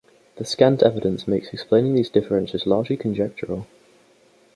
The scant evidence makes explaining these differences largely conjectural.